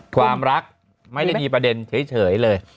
ความรักไม่ได้มีประเด็นเฉยเลย